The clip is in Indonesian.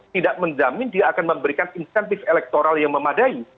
tidak menjamin dia akan memberikan insentif elektoral yang memadai